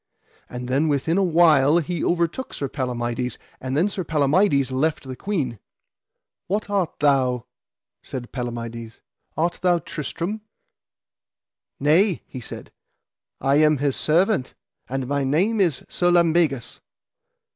And then within a while he overtook Sir Palamides. And then Sir Palamides left the queen. What art thou, said Palamides, art thou Tristram? Nay, he said, I am his servant, and my name is Sir Lambegus.